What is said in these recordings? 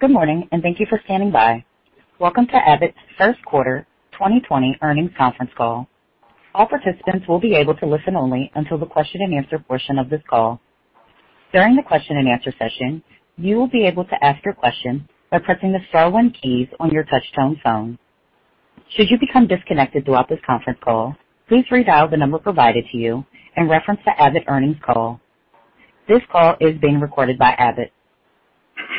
Good morning, and thank you for standing by. Welcome to Abbott's first quarter 2020 earnings conference call. All participants will be able to listen only until the question and answer portion of this call. During the question and answer session, you will be able to ask your question by pressing the star one keys on your touchtone phone. Should you become disconnected throughout this conference call, please redial the number provided to you and reference the Abbott earnings call. This call is being recorded by Abbott.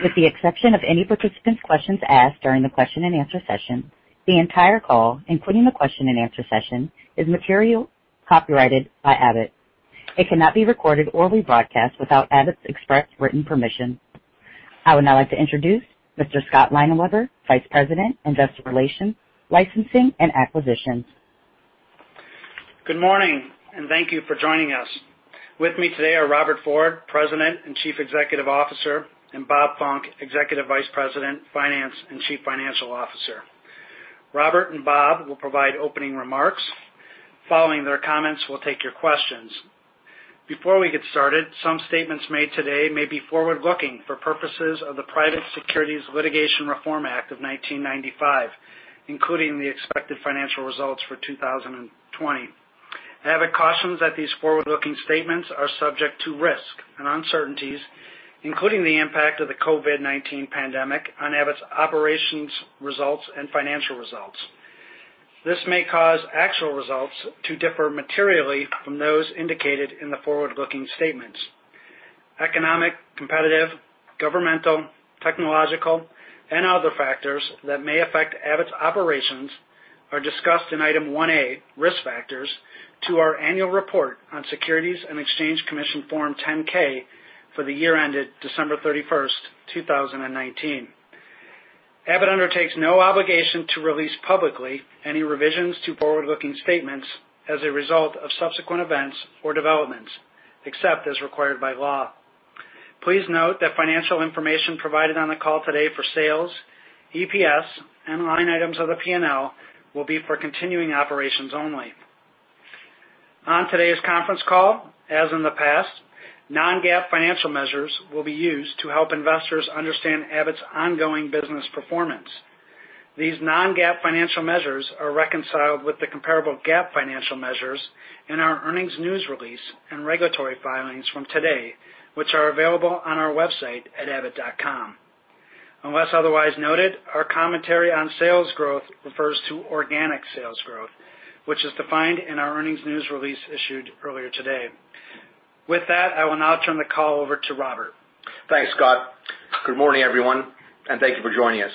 With the exception of any participant's questions asked during the question and answer session, the entire call, including the question and answer session, is material copyrighted by Abbott. It cannot be recorded or rebroadcast without Abbott's express written permission. I would now like to introduce Mr. Scott Leinenweber, Vice President, Investor Relations, Licensing, and Acquisitions. Good morning, and thank you for joining us. With me today are Robert Ford, President and Chief Executive Officer, and Bob Funck, Executive Vice President, Finance and Chief Financial Officer. Robert and Bob will provide opening remarks. Following their comments, we'll take your questions. Before we get started, some statements made today may be forward-looking for purposes of the Private Securities Litigation Reform Act of 1995, including the expected financial results for 2020. Abbott cautions that these forward-looking statements are subject to risk and uncertainties, including the impact of the COVID-19 pandemic on Abbott's operations results and financial results. This may cause actual results to differ materially from those indicated in the forward-looking statements. Economic, competitive, governmental, technological, and other factors that may affect Abbott's operations are discussed in Item 1A, Risk Factors to our annual report on Securities and Exchange Commission Form 10-K for the year ended December 31st, 2019. Abbott undertakes no obligation to release publicly any revisions to forward-looking statements as a result of subsequent events or developments, except as required by law. Please note that financial information provided on the call today for sales, EPS, and line items of the P&L will be for continuing operations only. On today's conference call, as in the past, non-GAAP financial measures will be used to help investors understand Abbott's ongoing business performance. These non-GAAP financial measures are reconciled with the comparable GAAP financial measures in our earnings news release and regulatory filings from today, which are available on our website at abbott.com. Unless otherwise noted, our commentary on sales growth refers to organic sales growth, which is defined in our earnings news release issued earlier today. With that, I will now turn the call over to Robert. Thanks, Scott. Good morning, everyone, and thank you for joining us.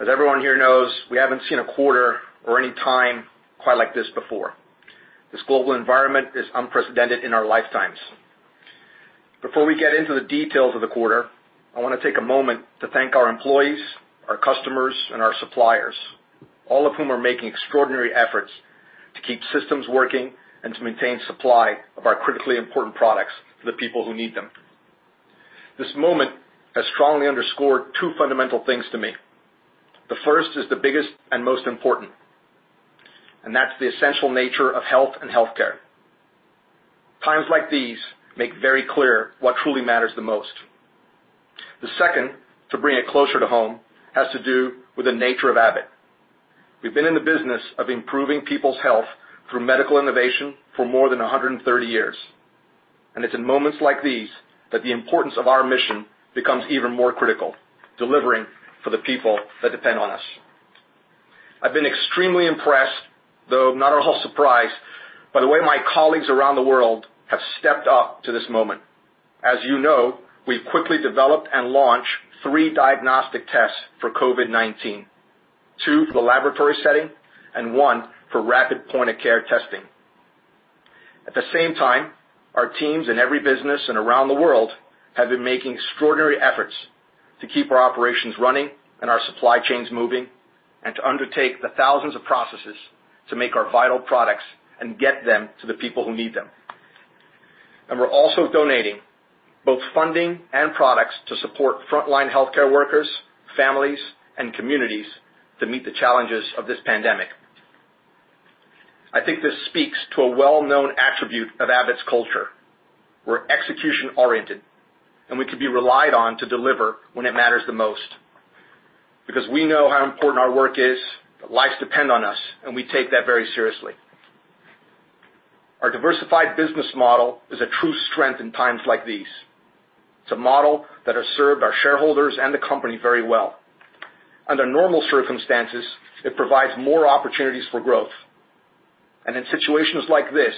As everyone here knows, we haven't seen a quarter or any time quite like this before. This global environment is unprecedented in our lifetimes. Before we get into the details of the quarter, I want to take a moment to thank our employees, our customers, and our suppliers, all of whom are making extraordinary efforts to keep systems working and to maintain supply of our critically important products for the people who need them. This moment has strongly underscored two fundamental things to me. The first is the biggest and most important, and that's the essential nature of health and healthcare. Times like these make very clear what truly matters the most. The second, to bring it closer to home, has to do with the nature of Abbott. We've been in the business of improving people's health through medical innovation for more than 130 years, and it's in moments like these that the importance of our mission becomes even more critical, delivering for the people that depend on us. I've been extremely impressed, though not at all surprised, by the way my colleagues around the world have stepped up to this moment. As you know, we've quickly developed and launched three diagnostic tests for COVID-19, two for the laboratory setting and one for rapid point-of-care testing. At the same time, our teams in every business and around the world have been making extraordinary efforts to keep our operations running and our supply chains moving, and to undertake the thousands of processes to make our vital products and get them to the people who need them. We're also donating both funding and products to support frontline healthcare workers, families, and communities to meet the challenges of this pandemic. I think this speaks to a well-known attribute of Abbott's culture. We're execution-oriented, and we can be relied on to deliver when it matters the most. We know how important our work is, that lives depend on us, and we take that very seriously. Our diversified business model is a true strength in times like these. It's a model that has served our shareholders and the company very well. Under normal circumstances, it provides more opportunities for growth. In situations like this,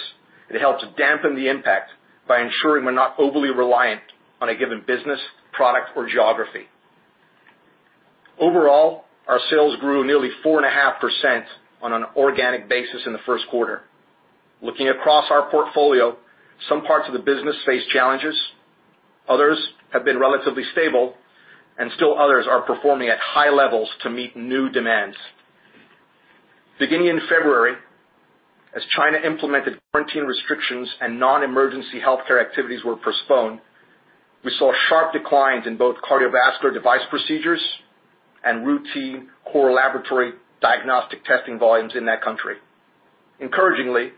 it helps dampen the impact by ensuring we're not overly reliant on a given business, product or geography. Overall, our sales grew nearly 4.5% on an organic basis in the first quarter. Looking across our portfolio, some parts of the business face challenges, others have been relatively stable, and still others are performing at high levels to meet new demands. Beginning in February, as China implemented quarantine restrictions and non-emergency healthcare activities were postponed, we saw sharp declines in both cardiovascular device procedures and routine core laboratory diagnostic testing volumes in that country. Encouragingly,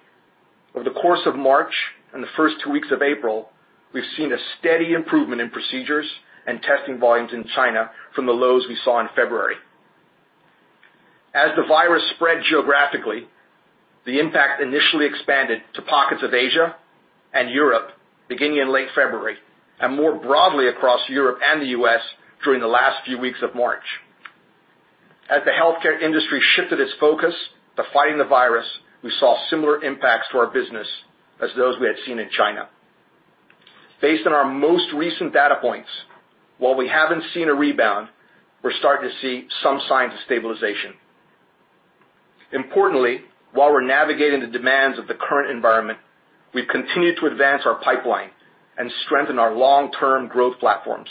over the course of March and the first two weeks of April, we've seen a steady improvement in procedures and testing volumes in China from the lows we saw in February. As the virus spread geographically, the impact initially expanded to pockets of Asia and Europe beginning in late February, and more broadly across Europe and the U.S. during the last few weeks of March. As the healthcare industry shifted its focus to fighting the virus, we saw similar impacts to our business as those we had seen in China. Based on our most recent data points, while we haven't seen a rebound, we're starting to see some signs of stabilization. Importantly, while we're navigating the demands of the current environment, we've continued to advance our pipeline and strengthen our long-term growth platforms.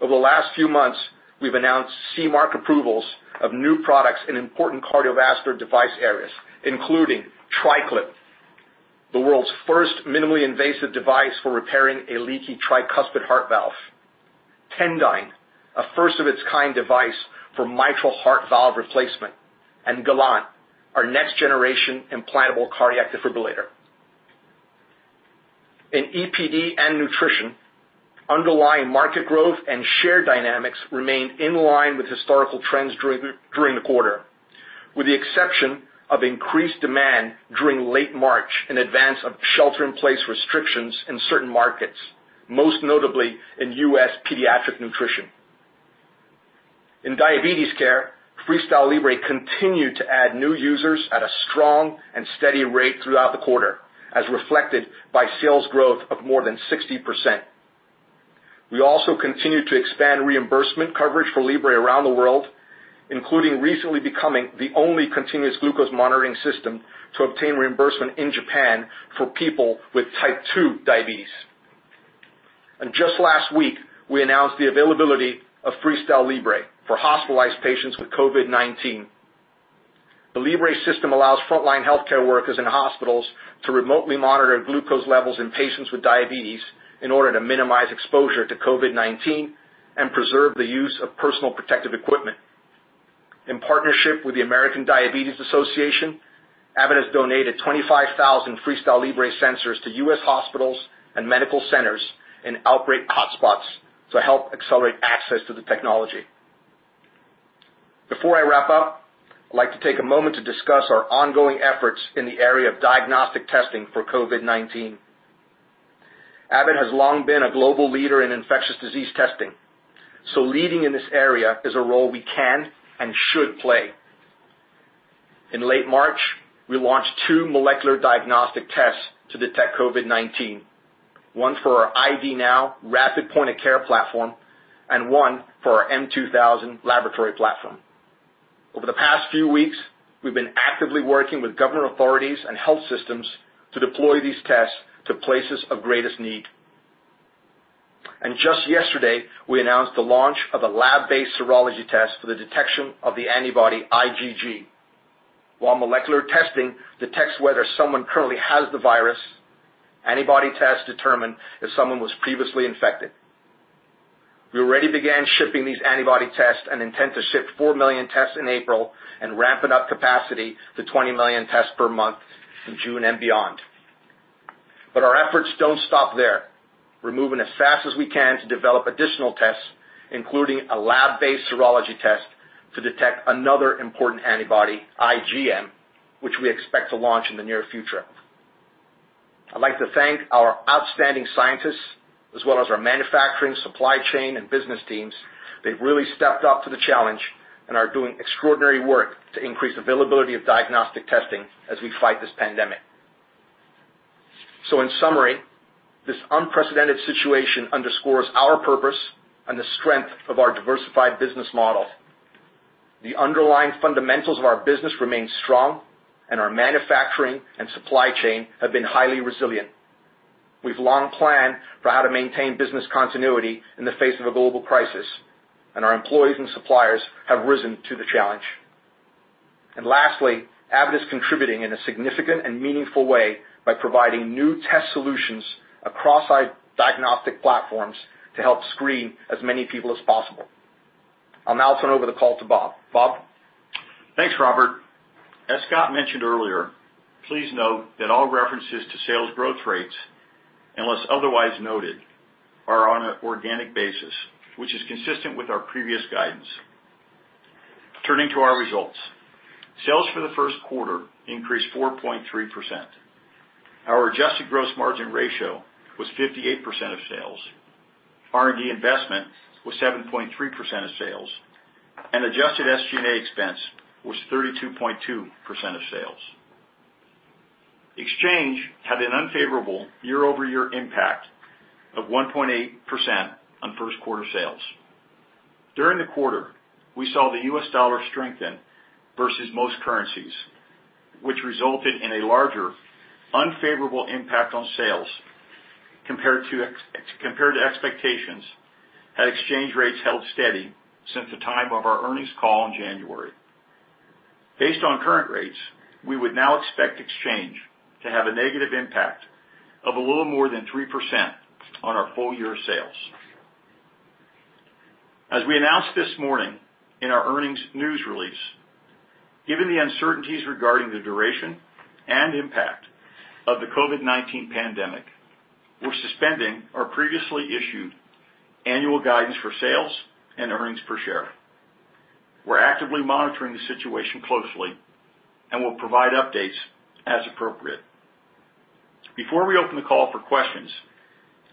Over the last few months, we've announced CE Mark approvals of new products in important cardiovascular device areas, including TriClip, the world's first minimally invasive device for repairing a leaky tricuspid heart valve. Tendyne, a first-of-its-kind device for mitral heart valve replacement, and Gallant, our next-generation implantable cardiac defibrillator. In EPD and nutrition, underlying market growth and share dynamics remained in line with historical trends during the quarter, with the exception of increased demand during late March in advance of shelter-in-place restrictions in certain markets, most notably in U.S. pediatric nutrition. In diabetes care, FreeStyle Libre continued to add new users at a strong and steady rate throughout the quarter, as reflected by sales growth of more than 60%. We also continued to expand reimbursement coverage for Libre around the world, including recently becoming the only continuous glucose monitoring system to obtain reimbursement in Japan for people with type two diabetes. Just last week, we announced the availability of FreeStyle Libre for hospitalized patients with COVID-19. The Libre system allows frontline healthcare workers in hospitals to remotely monitor glucose levels in patients with diabetes in order to minimize exposure to COVID-19 and preserve the use of personal protective equipment. In partnership with the American Diabetes Association, Abbott has donated 25,000 FreeStyle Libre sensors to U.S. hospitals and medical centers in outbreak hotspots to help accelerate access to the technology. Before I wrap up, I'd like to take a moment to discuss our ongoing efforts in the area of diagnostic testing for COVID-19. Abbott has long been a global leader in infectious disease testing, so leading in this area is a role we can and should play. In late March, we launched two molecular diagnostic tests to detect COVID-19, one for our ID NOW rapid point-of-care platform and one for our m2000 laboratory platform. Over the past few weeks, we've been actively working with government authorities and health systems to deploy these tests to places of greatest need. Just yesterday, we announced the launch of a lab-based serology test for the detection of the antibody IgG. While molecular testing detects whether someone currently has the virus, antibody tests determine if someone was previously infected. We already began shipping these antibody tests and intend to ship 4 million tests in April and ramping up capacity to 20 million tests per month in June and beyond. Our efforts don't stop there. We're moving as fast as we can to develop additional tests, including a lab-based serology test to detect another important antibody, IgM, which we expect to launch in the near future. I'd like to thank our outstanding scientists as well as our manufacturing, supply chain, and business teams. They've really stepped up to the challenge and are doing extraordinary work to increase availability of diagnostic testing as we fight this pandemic. In summary, this unprecedented situation underscores our purpose and the strength of our diversified business model. The underlying fundamentals of our business remain strong, our manufacturing and supply chain have been highly resilient. We've long planned for how to maintain business continuity in the face of a global crisis, our employees and suppliers have risen to the challenge. Lastly, Abbott is contributing in a significant and meaningful way by providing new test solutions across our diagnostic platforms to help screen as many people as possible. I'll now turn over the call to Bob. Bob? Thanks, Robert. As Scott mentioned earlier, please note that all references to sales growth rates, unless otherwise noted, are on an organic basis, which is consistent with our previous guidance. Turning to our results. Sales for the first quarter increased 4.3%. Our adjusted gross margin ratio was 58% of sales. R&D investment was 7.3% of sales, and adjusted SG&A expense was 32.2% of sales. Exchange had an unfavorable year-over-year impact of 1.8% on first quarter sales. During the quarter, we saw the U.S. dollar strengthen versus most currencies, which resulted in a larger unfavorable impact on sales compared to expectations, had exchange rates held steady since the time of our earnings call in January. Based on current rates, we would now expect exchange to have a negative impact of a little more than 3% on our full-year sales. As we announced this morning in our earnings news release, given the uncertainties regarding the duration and impact of the COVID-19 pandemic, we're suspending our previously issued annual guidance for sales and earnings per share. We're actively monitoring the situation closely and will provide updates as appropriate. Before we open the call for questions,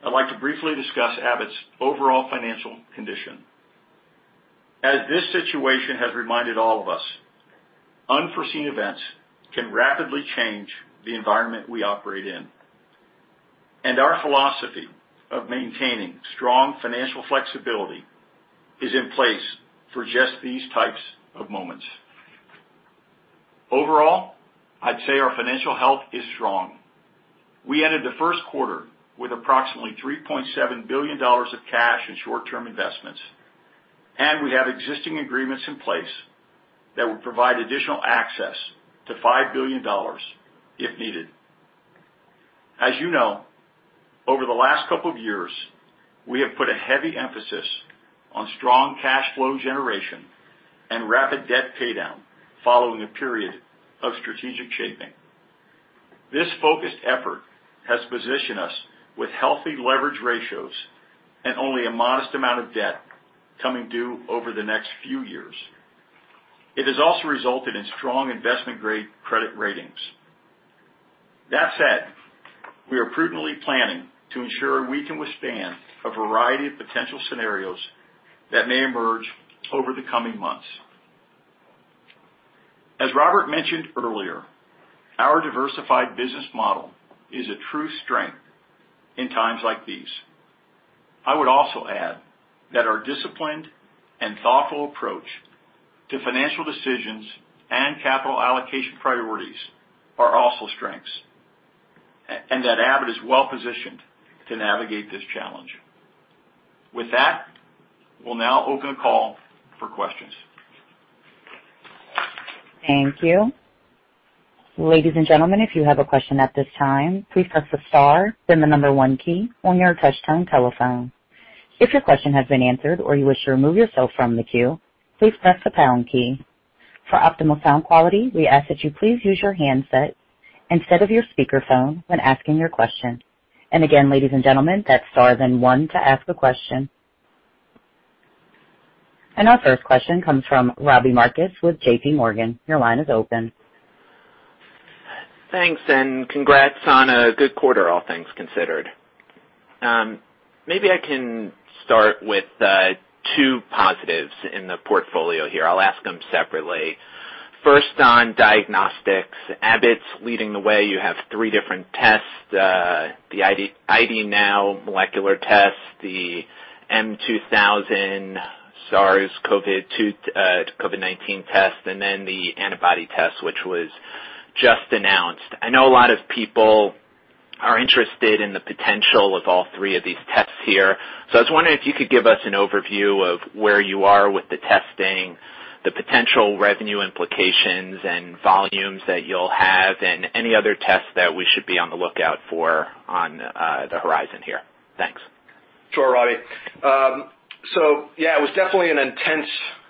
I'd like to briefly discuss Abbott's overall financial condition. As this situation has reminded all of us, unforeseen events can rapidly change the environment we operate in. Our philosophy of maintaining strong financial flexibility is in place for just these types of moments. Overall, I'd say our financial health is strong. We ended the first quarter with approximately $3.7 billion of cash and short-term investments, and we have existing agreements in place that will provide additional access to $5 billion if needed. As you know, over the last couple of years, we have put a heavy emphasis on strong cash flow generation and rapid debt paydown following a period of strategic shaping. This focused effort has positioned us with healthy leverage ratios and only a modest amount of debt coming due over the next few years. It has also resulted in strong investment-grade credit ratings. That said, we are prudently planning to ensure we can withstand a variety of potential scenarios that may emerge over the coming months. As Robert mentioned earlier, our diversified business model is a true strength in times like these. I would also add that our disciplined and thoughtful approach to financial decisions and capital allocation priorities are also strengths, and that Abbott is well-positioned to navigate this challenge. With that, we'll now open the call for questions. Thank you. Ladies and gentlemen, if you have a question at this time, please press the star, then the number one key on your touchtone telephone. If your question has been answered or you wish to remove yourself from the queue, please press the pound key. For optimal sound quality, we ask that you please use your handset instead of your speakerphone when asking your question. Again, ladies and gentlemen, that's star, then one to ask a question. Our first question comes from Robbie Marcus with JPMorgan. Your line is open. Thanks. Congrats on a good quarter, all things considered. Maybe I can start with two positives in the portfolio here. I'll ask them separately. First, on diagnostics, Abbott's leading the way. You have three different tests, the ID NOW molecular test, the Abbott RealTime SARS-CoV-2 test, and then the antibody test, which was just announced. I know a lot of people are interested in the potential of all three of these tests here. I was wondering if you could give us an overview of where you are with the testing, the potential revenue implications and volumes that you'll have, and any other tests that we should be on the lookout for on the horizon here. Thanks. Sure, Robbie. Yeah, it was definitely an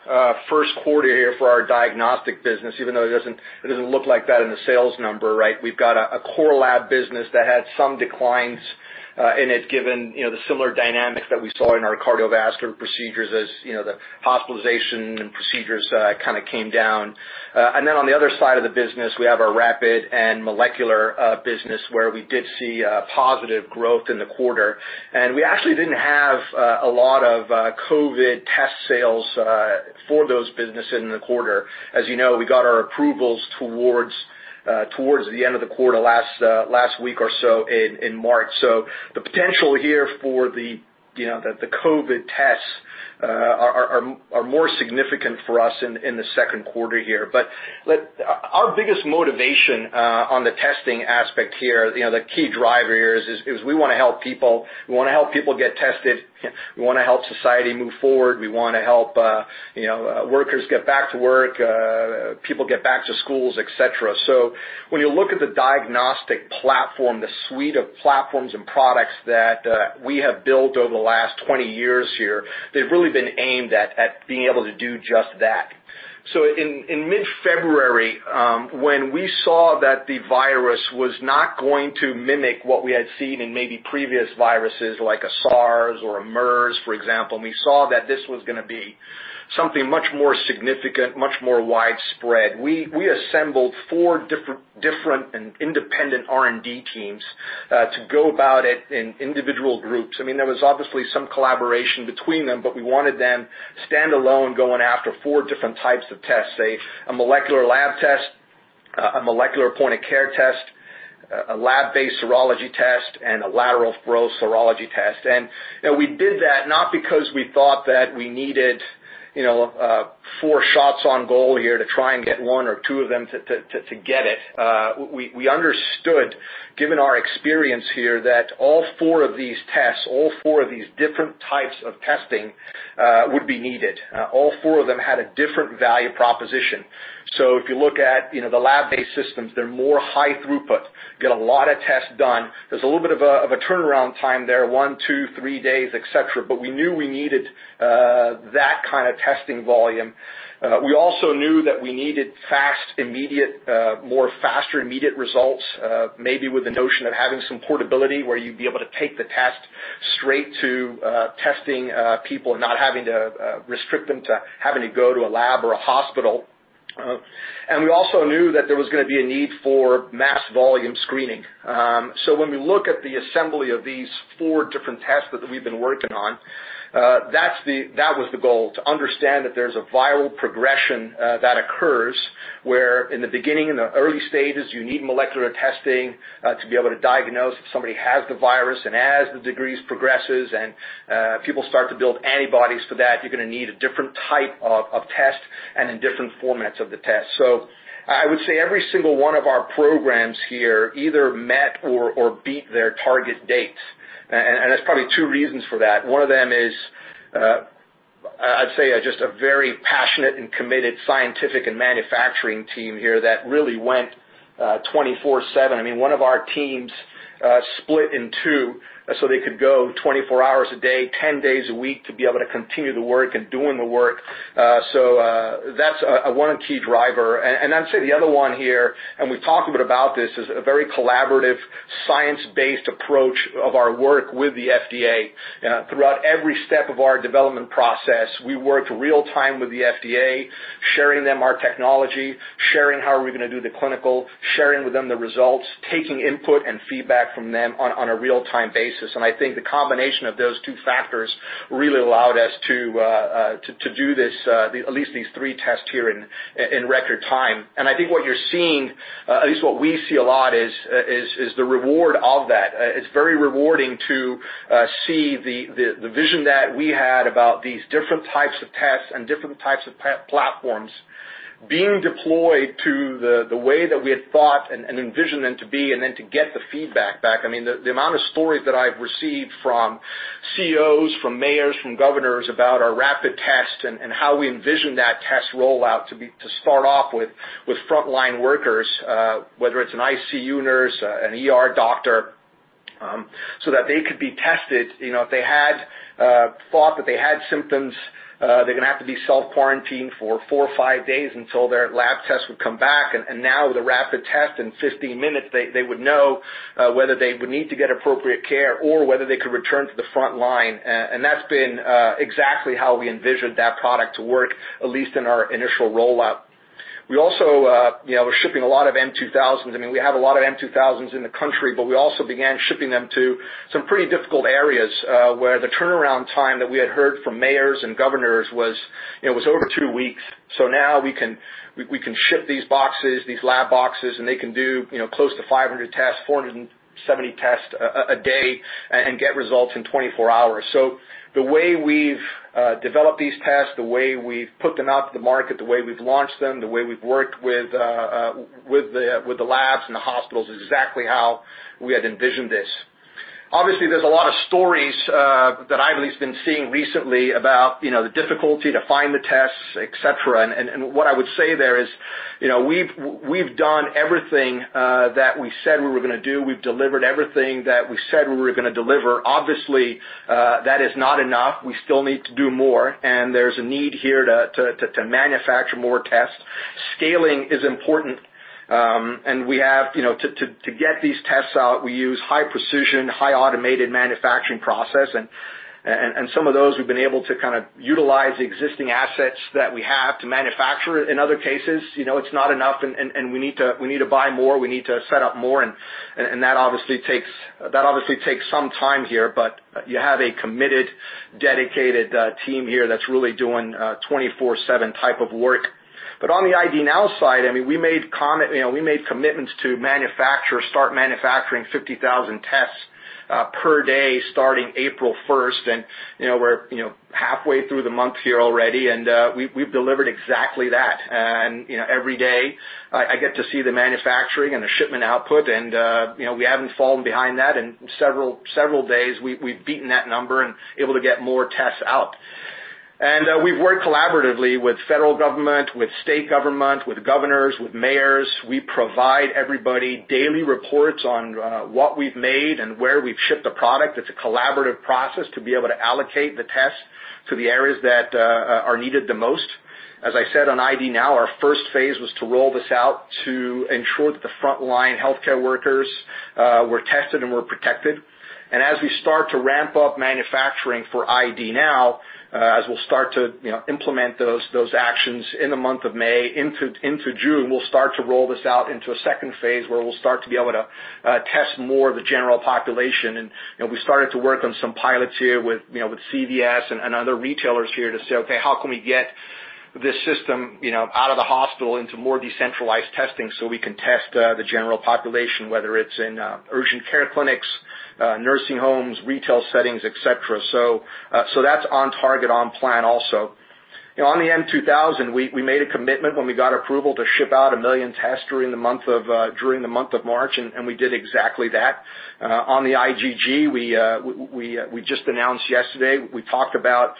intense first quarter here for our diagnostic business, even though it doesn't look like that in the sales number, right? We've got a core lab business that had some declines in it, given the similar dynamics that we saw in our cardiovascular procedures, as the hospitalization and procedures kind of came down. On the other side of the business, we have our rapid and molecular business, where we did see positive growth in the quarter. We actually didn't have a lot of COVID test sales for those businesses in the quarter. As you know, we got our approvals towards the end of the quarter last week or so in March. The potential here for the COVID tests are more significant for us in the second quarter here. Our biggest motivation on the testing aspect here, the key driver here, is we want to help people. We want to help people get tested. We want to help society move forward. We want to help workers get back to work, people get back to schools, et cetera. When you look at the diagnostic platform, the suite of platforms and products that we have built over the last 20 years here, they've really been aimed at being able to do just that. In mid-February, when we saw that the virus was not going to mimic what we had seen in maybe previous viruses like a SARS or a MERS, for example, and we saw that this was going to be something much more significant, much more widespread. We assembled four different and independent R&D teams to go about it in individual groups. There was obviously some collaboration between them, but we wanted them standalone going after four different types of tests. Say, a molecular lab test, a molecular point-of-care test, a lab-based serology test, and a lateral flow serology test. We did that not because we thought that we needed four shots on goal here to try and get one or two of them to get it. We understood, given our experience here, that all four of these tests, all four of these different types of testing, would be needed. All four of them had a different value proposition. If you look at the lab-based systems, they're more high throughput, get a lot of tests done. There's a little bit of a turnaround time there, one, two, three days, et cetera, but we knew we needed that kind of testing volume. We also knew that we needed more faster, immediate results, maybe with the notion of having some portability where you'd be able to take the test straight to testing people, not having to restrict them to having to go to a lab or a hospital. We also knew that there was going to be a need for mass volume screening. When we look at the assembly of these four different tests that we've been working on, that was the goal: to understand that there's a viral progression that occurs, where in the beginning, in the early stages, you need molecular testing to be able to diagnose if somebody has the virus. As the disease progresses and people start to build antibodies to that, you're going to need a different type of test and in different formats of the test. I would say every single one of our programs here either met or beat their target dates. There's probably two reasons for that. One of them is, I'd say, just a very passionate and committed scientific and manufacturing team here that really went 24/7. One of our teams split in two so they could go 24 hours a day, 10 days a week, to be able to continue the work and doing the work. That's one key driver. I'd say the other one here, and we've talked a bit about this, is a very collaborative science-based approach of our work with the FDA. Throughout every step of our development process, we worked real time with the FDA, sharing them our technology, sharing how are we going to do the clinical, sharing with them the results, taking input and feedback from them on a real-time basis. I think the combination of those two factors really allowed us to do this, at least these three tests here in record time. I think what you're seeing, at least what we see a lot is the reward of that. It's very rewarding to see the vision that we had about these different types of tests and different types of platforms being deployed to the way that we had thought and envisioned them to be, and then to get the feedback back. The amount of stories that I've received from CEOs, from mayors, from governors about our rapid test and how we envision that test rollout to start off with frontline workers, whether it's an ICU nurse, an ER doctor, so that they could be tested. If they had thought that they had symptoms, they're going to have to be self-quarantined for four or five days until their lab tests would come back. Now with a rapid test, in 15 minutes, they would know whether they would need to get appropriate care or whether they could return to the frontline. That's been exactly how we envisioned that product to work, at least in our initial rollout. We're also shipping a lot of m2000s. We have a lot of m2000s in the country, we also began shipping them to some pretty difficult areas, where the turnaround time that we had heard from mayors and governors was over two weeks. Now we can ship these boxes, these lab boxes, and they can do close to 500 tests, 470 tests a day and get results in 24 hours. The way we've developed these tests, the way we've put them out to the market, the way we've launched them, the way we've worked with the labs and the hospitals, is exactly how we had envisioned this. There's a lot of stories that I've at least been seeing recently about the difficulty to find the tests, et cetera. What I would say there is we've done everything that we said we were going to do. We've delivered everything that we said we were going to deliver. That is not enough. We still need to do more, and there's a need here to manufacture more tests. Scaling is important. To get these tests out, we use high-precision, high-automated manufacturing process. Some of those we've been able to utilize existing assets that we have to manufacture. In other cases, it's not enough and we need to buy more, we need to set up more, and that obviously takes some time here. You have a committed, dedicated team here that's really doing 24/7 type of work. On the ID NOW side, we made commitments to start manufacturing 50,000 tests per day starting April 1st. We're halfway through the month here already, and we've delivered exactly that. Every day, I get to see the manufacturing and the shipment output, and we haven't fallen behind that. In several days, we've beaten that number and able to get more tests out. We've worked collaboratively with federal government, with state government, with governors, with mayors. We provide everybody daily reports on what we've made and where we've shipped the product. It's a collaborative process to be able to allocate the tests to the areas that are needed the most. As I said on ID NOW, our first phase was to roll this out to ensure that the frontline healthcare workers were tested and were protected. As we start to ramp up manufacturing for ID NOW, as we'll start to implement those actions in the month of May into June, we'll start to roll this out into a second phase where we'll start to be able to test more of the general population. We started to work on some pilots here with CVS and other retailers here to say, "Okay, how can we get this system out of the hospital into more decentralized testing so we can test the general population?" Whether it's in urgent care clinics, nursing homes, retail settings, et cetera. That's on target, on plan also. On the m2000, we made a commitment when we got approval to ship out 1 million tests during the month of March, and we did exactly that. On the IgG, we just announced yesterday, we talked about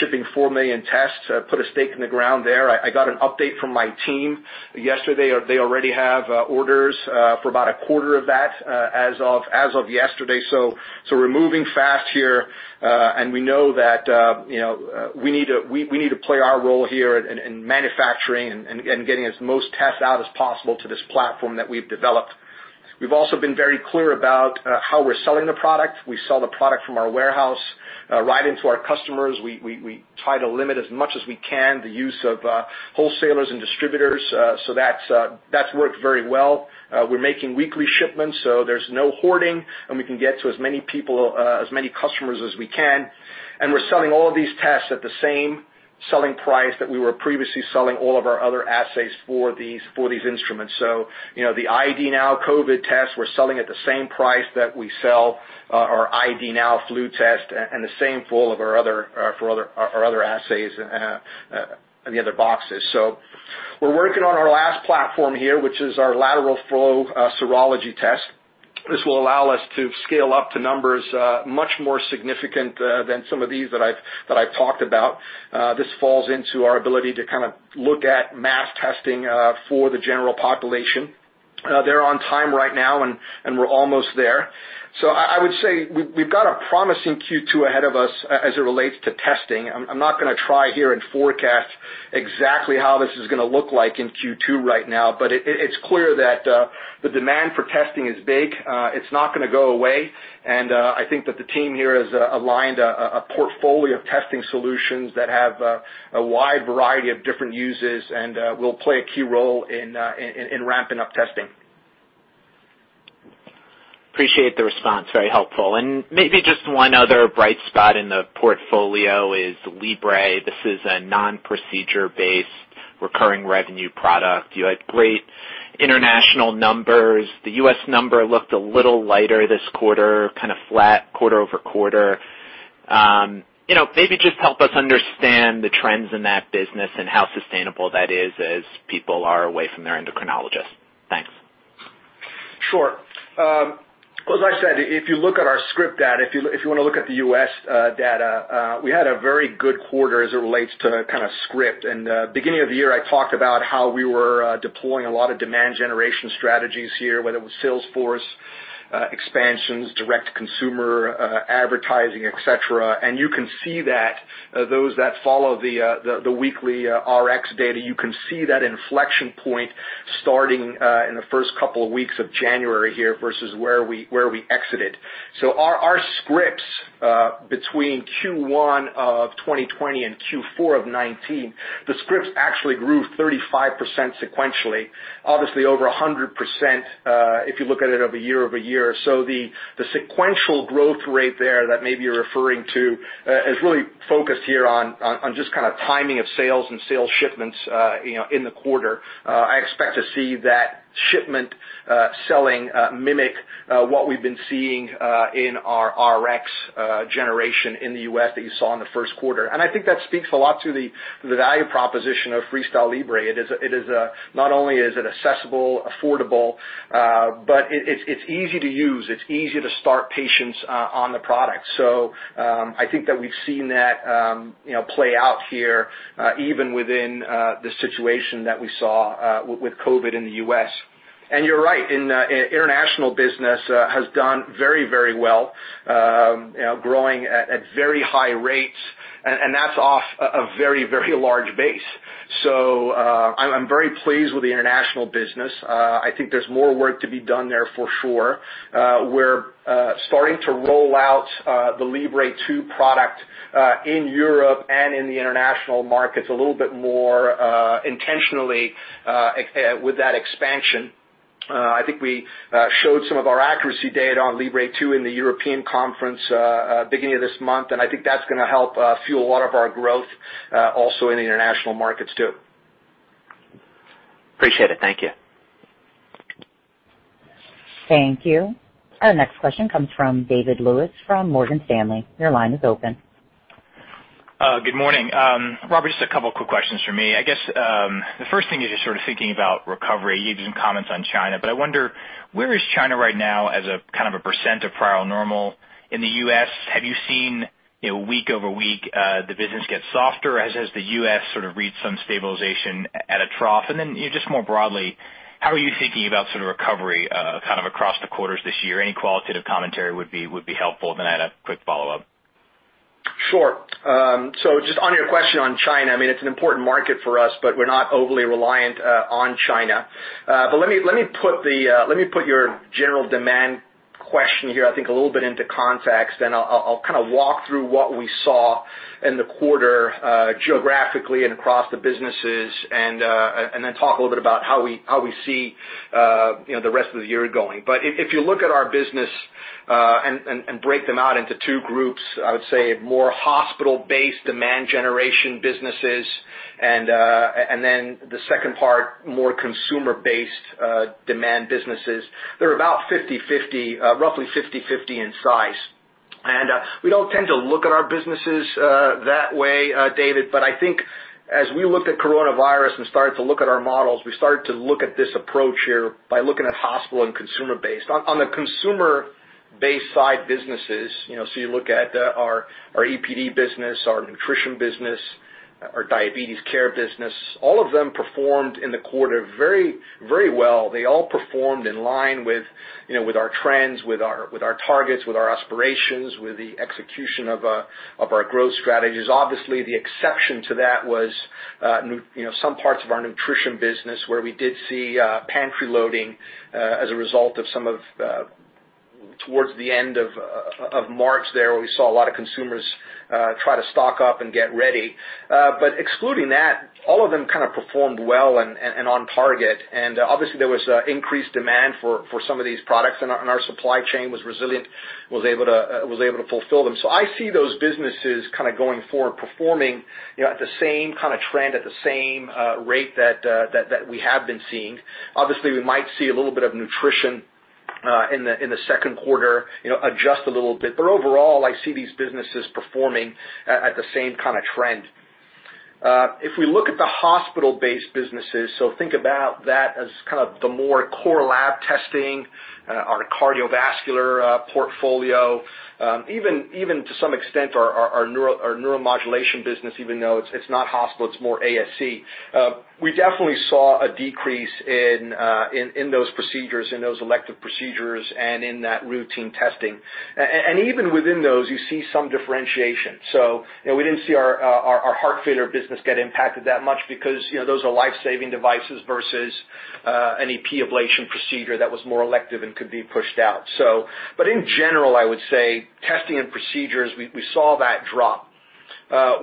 shipping four million tests, put a stake in the ground there. I got an update from my team yesterday. They already have orders for about a quarter of that as of yesterday. We're moving fast here, and we know that we need to play our role here in manufacturing and getting as most tests out as possible to this platform that we've developed. We've also been very clear about how we're selling the product. We sell the product from our warehouse right into our customers. We try to limit as much as we can the use of wholesalers and distributors. That's worked very well. We're making weekly shipments, so there's no hoarding, and we can get to as many people, as many customers as we can. We're selling all of these tests at the same selling price that we were previously selling all of our other assays for these instruments. The ID NOW COVID test, we're selling at the same price that we sell our ID NOW flu test, and the same for all of our other assays and the other boxes. We're working on our last platform here, which is our lateral flow serology test. This will allow us to scale up to numbers much more significant than some of these that I've talked about. This falls into our ability to kind of look at mass testing for the general population. They're on time right now, and we're almost there. I would say we've got a promising Q2 ahead of us as it relates to testing. I'm not going to try here and forecast exactly how this is going to look like in Q2 right now, but it's clear that the demand for testing is big. It's not going to go away. I think that the team here has aligned a portfolio of testing solutions that have a wide variety of different uses and will play a key role in ramping up testing. Appreciate the response. Very helpful. Maybe just one other bright spot in the portfolio is Libre. This is a non-procedure-based recurring revenue product. You had great international numbers. The U.S. number looked a little lighter this quarter, kind of flat quarter-over-quarter. Maybe just help us understand the trends in that business and how sustainable that is as people are away from their endocrinologist. Thanks. Sure. As I said, if you look at our script data, if you want to look at the U.S. data, we had a very good quarter as it relates to kind of script. Beginning of the year, I talked about how we were deploying a lot of demand generation strategies here, whether it was sales force expansions, direct consumer advertising, et cetera. You can see that those that follow the weekly Rx data, you can see that inflection point starting in the first couple of weeks of January here versus where we exited. Our scripts between Q1 of 2020 and Q4 of 2019, the scripts actually grew 35% sequentially, obviously over 100% if you look at it over year-over-year. The sequential growth rate there that maybe you're referring to is really focused here on just kind of timing of sales and sales shipments in the quarter. I expect to see that shipment selling mimic what we've been seeing in our Rx generation in the U.S. that you saw in the first quarter. I think that speaks a lot to the value proposition of FreeStyle Libre. Not only is it accessible, affordable, but it's easy to use. It's easy to start patients on the product. I think that we've seen that play out here, even within the situation that we saw with COVID in the U.S. You're right, international business has done very well, growing at very high rates, and that's off a very large base. I'm very pleased with the international business. I think there's more work to be done there for sure. We're starting to roll out the Libre 2 product in Europe and in the international markets a little bit more intentionally with that expansion. I think we showed some of our accuracy data on Libre 2 in the European conference beginning of this month, and I think that's going to help fuel a lot of our growth also in the international markets, too. Appreciate it. Thank you. Thank you. Our next question comes from David Roman from Morgan Stanley. Your line is open. Good morning. Robert, just a couple of quick questions from me. I guess the first thing is just sort of thinking about recovery. You had some comments on China. I wonder, where is China right now as a kind of a percent of prior normal? In the U.S., have you seen week-over-week the business get softer as the U.S. sort of reach some stabilization at a trough? Just more broadly, how are you thinking about sort of recovery kind of across the quarters this year? Any qualitative commentary would be helpful. I had a quick follow-up. Sure. Just on your question on China, I mean, it's an important market for us, but we're not overly reliant on China. Let me put your general demand question here I think a little bit into context, then I'll kind of walk through what we saw in the quarter geographically and across the businesses, and then talk a little bit about how we see the rest of the year going. If you look at our business and break them out into two groups, I would say more hospital-based demand generation businesses, and then the second part, more consumer-based demand businesses. They're about 50/50, roughly 50/50 in size. We don't tend to look at our businesses that way, David, but I think as we looked at coronavirus and started to look at our models, we started to look at this approach here by looking at hospital and consumer-based. On the consumer-based side businesses, you look at our EPD Business, our Nutrition Business, our Diabetes Care Business, all of them performed in the quarter very well. They all performed in line with our trends, with our targets, with our aspirations, with the execution of our growth strategies. Obviously, the exception to that was some parts of our Nutrition Business where we did see pantry loading as a result of Towards the end of March there, we saw a lot of consumers try to stock up and get ready. Excluding that, all of them kind of performed well and on target. Obviously, there was increased demand for some of these products, and our supply chain was resilient, was able to fulfill them. I see those businesses kind of going forward, performing at the same kind of trend, at the same rate that we have been seeing. Obviously, we might see a little bit of nutrition in the second quarter, adjust a little bit. Overall, I see these businesses performing at the same kind of trend. If we look at the hospital-based businesses, so think about that as kind of the more core lab testing, our cardiovascular portfolio, even to some extent our neuromodulation business, even though it's not hospital, it's more ASC. We definitely saw a decrease in those procedures, in those elective procedures, and in that routine testing. Even within those, you see some differentiation. We didn't see our heart failure business get impacted that much because those are life-saving devices versus any P ablation procedure that was more elective and could be pushed out. In general, I would say testing and procedures, we saw that drop.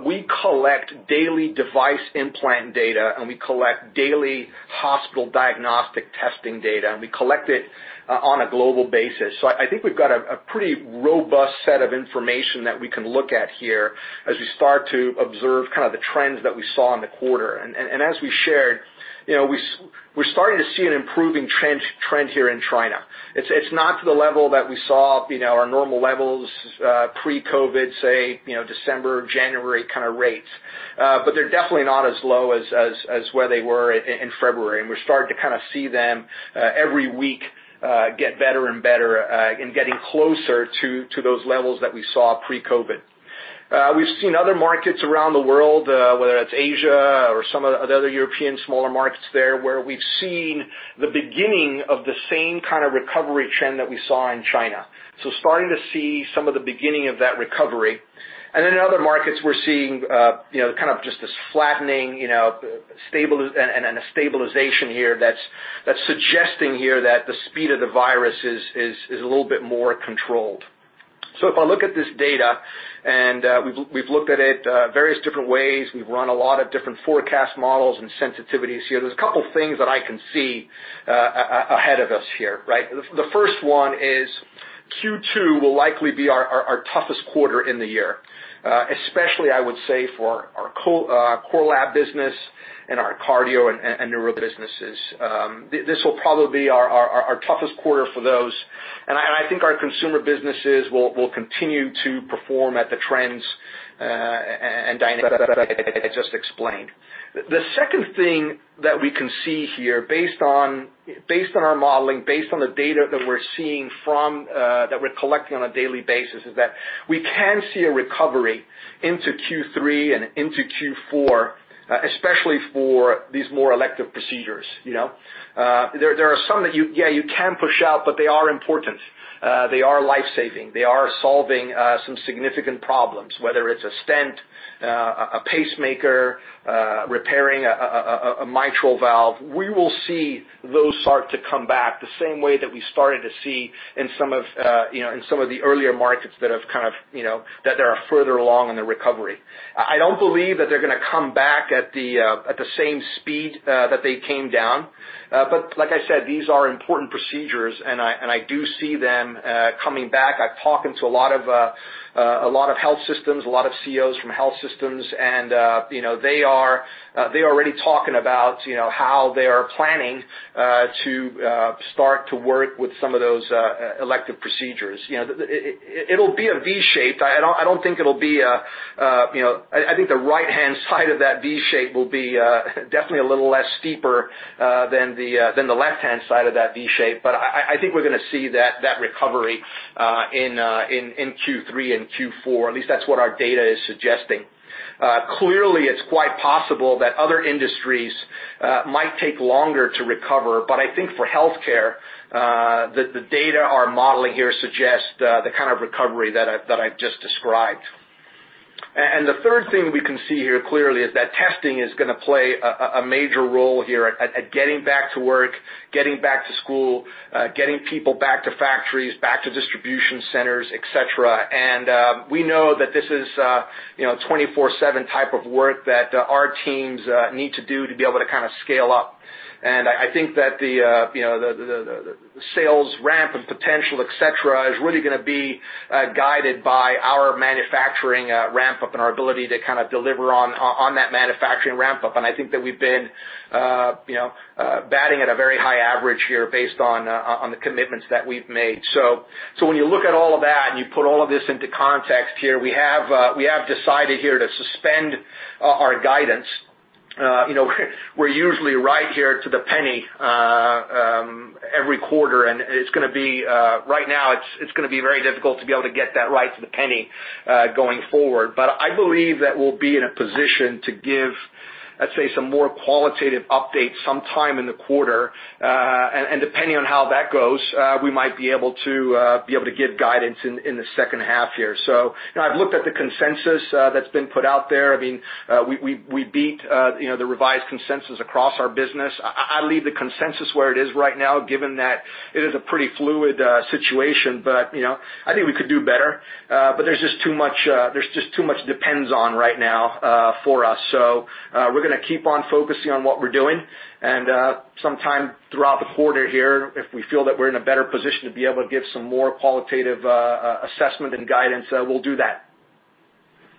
We collect daily device implant data, and we collect daily hospital diagnostic testing data, and we collect it on a global basis. I think we've got a pretty robust set of information that we can look at here as we start to observe kind of the trends that we saw in the quarter. As we shared, we're starting to see an improving trend here in China. It's not to the level that we saw our normal levels pre-COVID, say December, January kind of rates. They're definitely not as low as where they were in February. We're starting to kind of see them every week get better and better in getting closer to those levels that we saw pre-COVID. We've seen other markets around the world, whether that's Asia or some of the other European smaller markets there, where we've seen the beginning of the same kind of recovery trend that we saw in China. Starting to see some of the beginning of that recovery. In other markets, we're seeing kind of just this flattening and a stabilization here that's suggesting here that the speed of the virus is a little bit more controlled. If I look at this data, and we've looked at it various different ways. We've run a lot of different forecast models and sensitivities here. There's a couple things that I can see ahead of us here, right? The first one is Q2 will likely be our toughest quarter in the year, especially, I would say, for our core lab business and our cardio and neuro businesses. This will probably be our toughest quarter for those. I think our consumer businesses will continue to perform at the trends and dynamics that I just explained. The second thing that we can see here, based on our modeling, based on the data that we're seeing that we're collecting on a daily basis, is that we can see a recovery into Q3 and into Q4, especially for these more elective procedures. There are some that you can push out, but they are important. They are life-saving. They are solving some significant problems, whether it's a stent, a pacemaker, repairing a mitral valve. We will see those start to come back the same way that we started to see in some of the earlier markets that are further along in the recovery. I don't believe that they're going to come back at the same speed that they came down. Like I said, these are important procedures, and I do see them coming back. I'm talking to a lot of health systems, a lot of CEOs from health systems, and they are already talking about how they are planning to start to work with some of those elective procedures. It'll be a V-shape. I think the right-hand side of that V-shape will be definitely a little less steeper than the left-hand side of that V-shape. I think we're going to see that recovery in Q3 and Q4. At least that's what our data is suggesting. It's quite possible that other industries might take longer to recover. I think for healthcare, the data we're modeling here suggests the kind of recovery that I've just described. The third thing we can see here clearly is that testing is going to play a major role here at getting back to work, getting back to school, getting people back to factories, back to distribution centers, et cetera. We know that this is 24/7 type of work that our teams need to do to be able to kind of scale up. I think that the sales ramp and potential, et cetera, is really going to be guided by our manufacturing ramp-up and our ability to kind of deliver on that manufacturing ramp-up. I think that we've been batting at a very high average here based on the commitments that we've made. When you look at all of that and you put all of this into context here, we have decided here to suspend our guidance. We're usually right here to the penny every quarter, right now it's going to be very difficult to be able to get that right to the penny going forward. I believe that we'll be in a position to giveI'd say some more qualitative updates sometime in the quarter. Depending on how that goes, we might be able to give guidance in the second half here. I've looked at the consensus that's been put out there. We beat the revised consensus across our business. I leave the consensus where it is right now, given that it is a pretty fluid situation. I think we could do better. There's just too much depends on right now for us. We're going to keep on focusing on what we're doing, and sometime throughout the quarter here, if we feel that we're in a better position to be able to give some more qualitative assessment and guidance, we'll do that.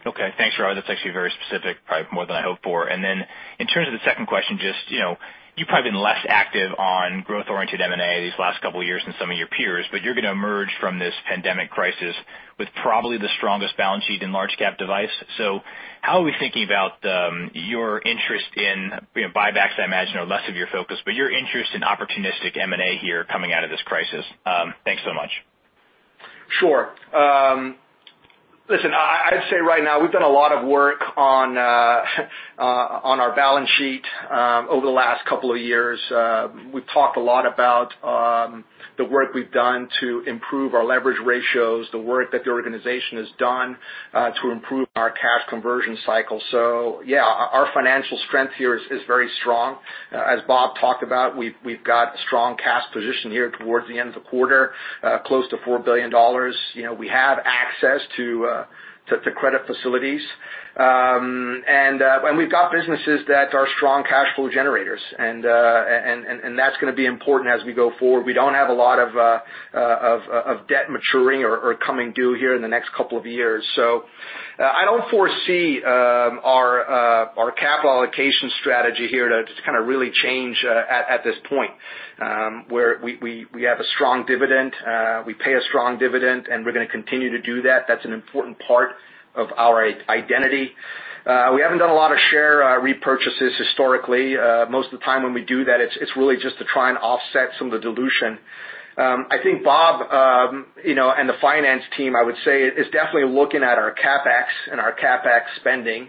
Okay. Thanks, Robert. That's actually very specific, probably more than I hoped for. In terms of the second question, just you've probably been less active on growth-oriented M&A these last couple of years than some of your peers, but you're going to emerge from this pandemic crisis with probably the strongest balance sheet in large cap device. How are we thinking about your interest in buybacks, I imagine, are less of your focus, but your interest in opportunistic M&A here coming out of this crisis? Thanks so much. Sure. Listen, I'd say right now, we've done a lot of work on our balance sheet over the last couple of years. We've talked a lot about the work we've done to improve our leverage ratios, the work that the organization has done to improve our cash conversion cycle. Yeah, our financial strength here is very strong. As Bob talked about, we've got a strong cash position here towards the end of the quarter, close to $4 billion. We have access to credit facilities. We've got businesses that are strong cash flow generators, and that's going to be important as we go forward. We don't have a lot of debt maturing or coming due here in the next couple of years. I don't foresee our capital allocation strategy here to just kind of really change at this point, where we have a strong dividend. We pay a strong dividend. We're going to continue to do that. That's an important part of our identity. We haven't done a lot of share repurchases historically. Most of the time when we do that, it's really just to try and offset some of the dilution. I think Bob and the finance team, I would say, is definitely looking at our CapEx and our CapEx spending.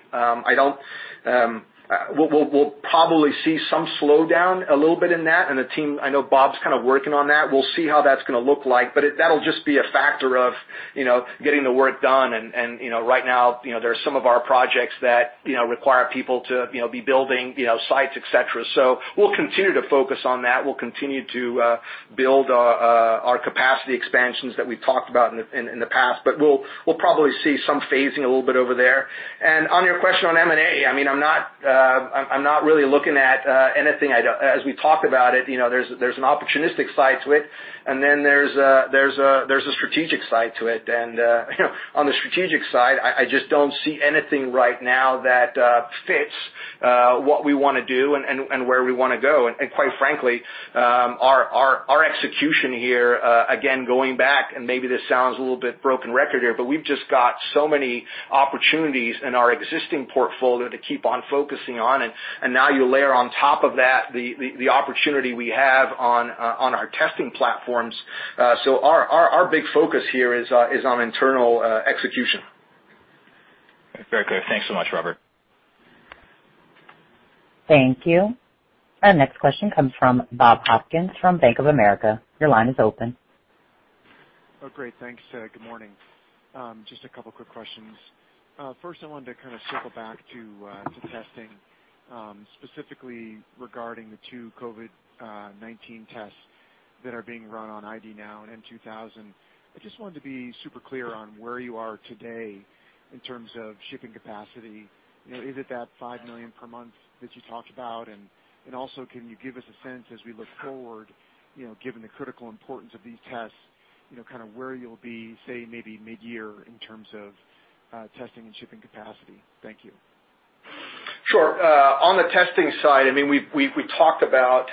We'll probably see some slowdown a little bit in that, and the team, I know Bob's kind of working on that. We'll see how that's going to look like, but that'll just be a factor of getting the work done, and right now, there are some of our projects that require people to be building sites, et cetera. We'll continue to focus on that. We'll continue to build our capacity expansions that we've talked about in the past. We'll probably see some phasing a little bit over there. On your question on M&A, I'm not really looking at anything. As we talk about it, there's an opportunistic side to it. There's a strategic side to it. On the strategic side, I just don't see anything right now that fits what we want to do and where we want to go. Quite frankly, our execution here, again, going back, and maybe this sounds a little bit broken record here. We've just got so many opportunities in our existing portfolio to keep on focusing on. You layer on top of that the opportunity we have on our testing platforms. Our big focus here is on internal execution. Very good. Thanks so much, Robert. Thank you. Our next question comes from Bob Hopkins from Bank of America. Your line is open. Oh, great. Thanks. Good morning. Just a couple quick questions. First, I wanted to kind of circle back to testing, specifically regarding the two COVID-19 tests that are being run on ID NOW and m2000. I just wanted to be super clear on where you are today in terms of shipping capacity. Is it that five million per month that you talked about? Also, can you give us a sense as we look forward, given the critical importance of these tests, kind of where you'll be, say, maybe mid-year in terms of testing and shipping capacity? Thank you. Sure. On the testing side, we talked about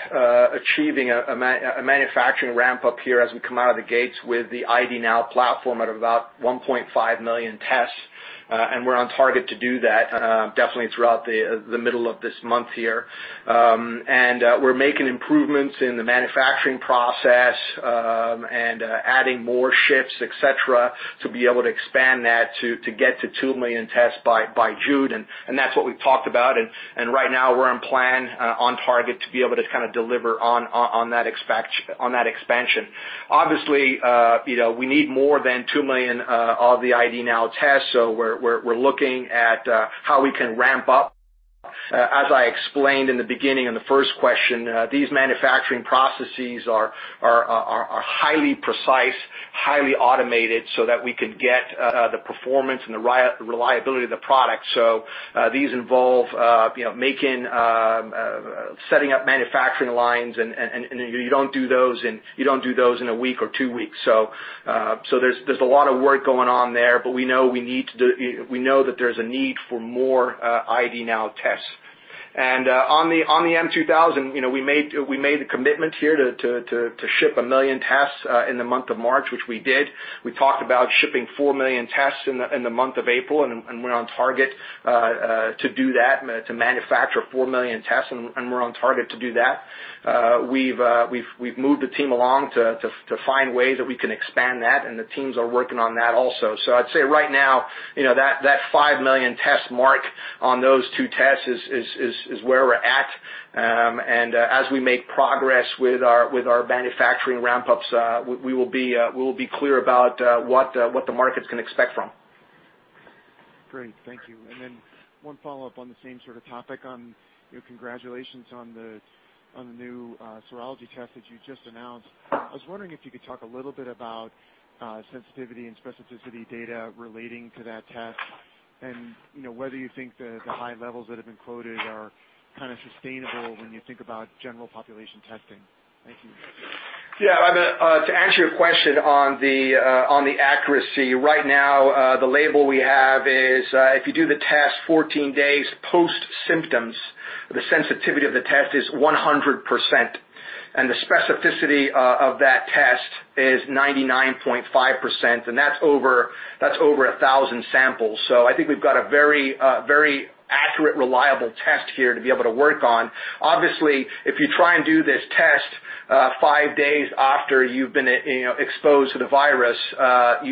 achieving a manufacturing ramp-up here as we come out of the gates with the ID NOW platform at about 1.5 million tests. We're on target to do that definitely throughout the middle of this month here. We're making improvements in the manufacturing process and adding more shifts, et cetera, to be able to expand that to get to two million tests by June. That's what we've talked about. Right now, we're on plan, on target to be able to kind of deliver on that expansion. Obviously, we need more than two million of the ID NOW tests. We're looking at how we can ramp up. As I explained in the beginning in the first question, these manufacturing processes are highly precise, highly automated so that we could get the performance and the reliability of the product. These involve setting up manufacturing lines, and you don't do those in a week or two weeks. There's a lot of work going on there, but we know that there's a need for more ID NOW tests. On the m2000, we made a commitment here to ship one million tests in the month of March, which we did. We talked about shipping four million tests in the month of April, and we're on target to do that, to manufacture four million tests, and we're on target to do that. We've moved the team along to find ways that we can expand that, and the teams are working on that also. I'd say right now, that five million test mark on those two tests is where we're at. As we make progress with our manufacturing ramp-ups, we will be clear about what the markets can expect from. Great. Thank you. One follow-up on the same sort of topic on, congratulations on the new serology test that you just announced. I was wondering if you could talk a little bit about sensitivity and specificity data relating to that test and whether you think the high levels that have been quoted are kind of sustainable when you think about general population testing. Thank you. Yeah. To answer your question on the accuracy, right now, the label we have is if you do the test 14 days post-symptoms, the sensitivity of the test is 100%, and the specificity of that test is 99.5%, and that's over 1,000 samples. I think we've got a very accurate, reliable test here to be able to work on. Obviously, if you try and do this test five days after you've been exposed to the virus,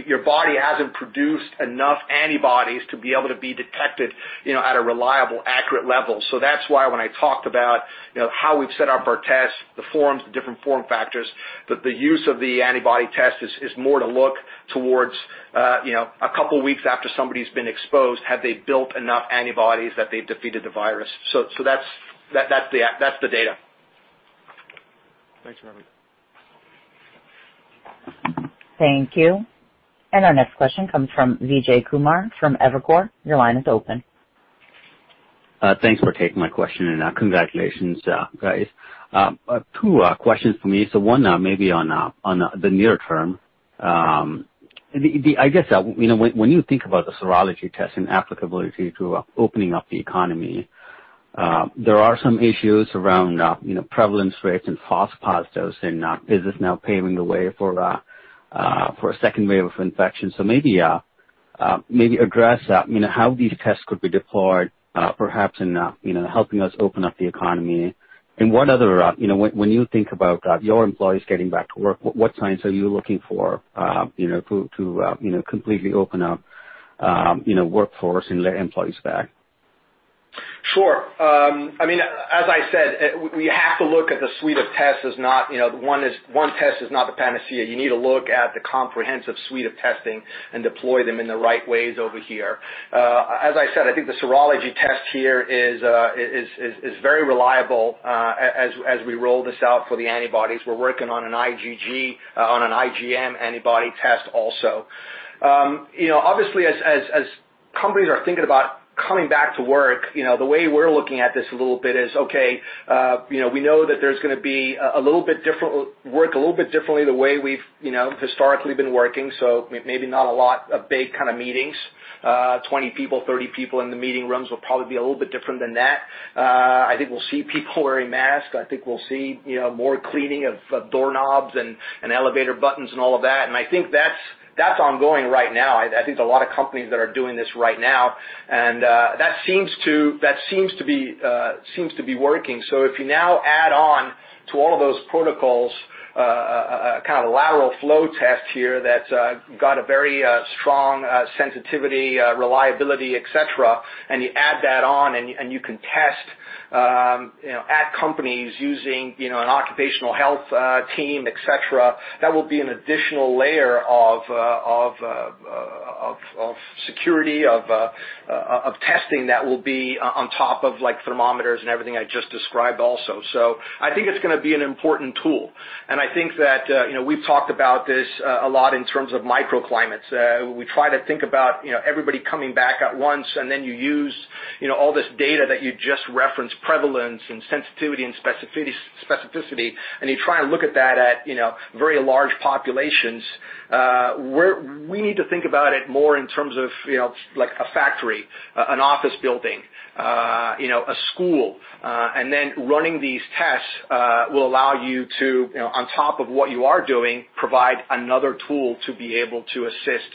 your body hasn't produced enough antibodies to be able to be detected at a reliable, accurate level. That's why when I talked about how we've set up our tests, the forms, the different form factors, that the use of the antibody test is more to look towards a couple of weeks after somebody's been exposed, have they built enough antibodies that they've defeated the virus? That's the data. Thanks for everything. Thank you. Our next question comes from Vijay Kumar from Evercore. Your line is open. Thanks for taking my question, and congratulations guys. Two questions for me. One maybe on the near term. I guess, when you think about the serology test and applicability to opening up the economy, there are some issues around prevalence rates and false positives, and is this now paving the way for a second wave of infection? Maybe address how these tests could be deployed perhaps in helping us open up the economy. One other, when you think about your employees getting back to work, what signs are you looking for to completely open up workforce and let employees back? Sure. As I said, we have to look at the suite of tests as not one test is not the panacea. You need to look at the comprehensive suite of testing and deploy them in the right ways over here. As I said, I think the serology test here is very reliable as we roll this out for the antibodies. We're working on an IgG, on an IgM antibody test also. Obviously, as companies are thinking about coming back to work, the way we're looking at this a little bit is, okay, we know that there's going to be work a little bit differently the way we've historically been working. Maybe not a lot of big kind of meetings, 20 people, 30 people in the meeting rooms. Will probably be a little bit different than that. I think we'll see people wearing masks. I think we'll see more cleaning of doorknobs and elevator buttons and all of that, and I think that's ongoing right now. I think there's a lot of companies that are doing this right now, and that seems to be working. If you now add on to all of those protocols, a kind of lateral flow test here that's got a very strong sensitivity, reliability, et cetera, and you add that on and you can test at companies using an occupational health team, et cetera, that will be an additional layer of security of testing that will be on top of thermometers and everything I just described also. I think it's going to be an important tool. I think that we've talked about this a lot in terms of microclimates. We try to think about everybody coming back at once, and then you use all this data that you just referenced, prevalence and sensitivity and specificity, and you try and look at that at very large populations. We need to think about it more in terms of like a factory, an office building, a school and then running these tests will allow you to, on top of what you are doing, provide another tool to be able to assist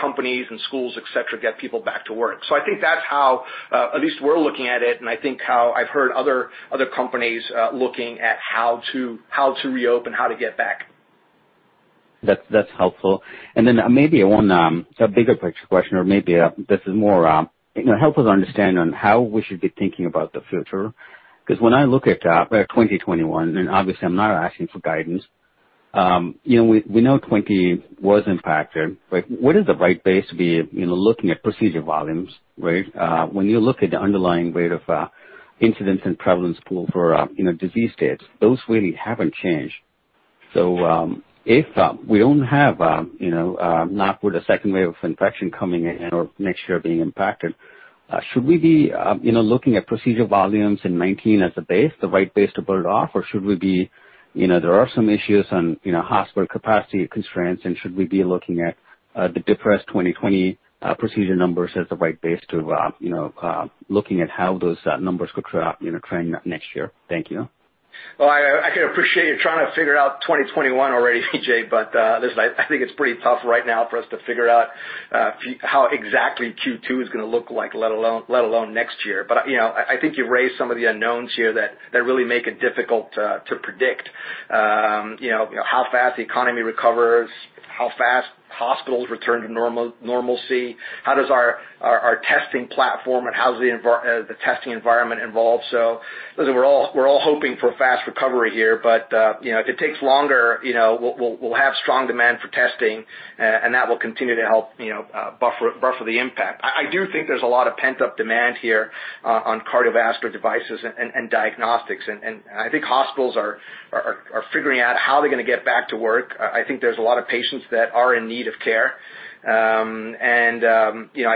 companies and schools, et cetera, get people back to work. I think that's how at least we're looking at it, and I think how I've heard other companies looking at how to reopen, how to get back. That's helpful. Maybe one bigger picture question, or maybe this is more, help us understand on how we should be thinking about the future. When I look at 2021, and obviously I'm not asking for guidance. We know 2020 was impacted, but what is the right base to be looking at procedure volumes, right? When you look at the underlying rate of incidents and prevalence pool for disease states, those really haven't changed. If we don't have, knock wood, a second wave of infection coming in or next year being impacted, should we be looking at procedure volumes in 2019 as a base, the right base to build it off? There are some issues on hospital capacity constraints and should we be looking at the depressed 2020 procedure numbers as the right base to looking at how those numbers could trend next year? Thank you. Well, I can appreciate you're trying to figure out 2021 already, Vijay, but listen, I think it's pretty tough right now for us to figure out how exactly Q2 is going to look like, let alone next year. I think you've raised some of the unknowns here that really make it difficult to predict how fast the economy recovers, how fast hospitals return to normalcy, how does our testing platform, and how does the testing environment evolve. Listen, we're all hoping for a fast recovery here, but if it takes longer, we'll have strong demand for testing, and that will continue to help buffer the impact. I do think there's a lot of pent-up demand here on cardiovascular devices and diagnostics. I think hospitals are figuring out how they're going to get back to work. I think there's a lot of patients that are in need of care. I don't know